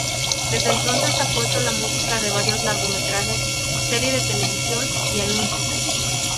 Desde entonces ha compuesto la música de varios largometrajes, serie de televisión y anuncios.